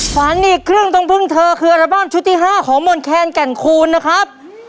ขวัญอีกครึ่งต้องพึ่งเธอคืออัลบั้มชุดที่๕ของมนแคนแก่นคูณนะครับ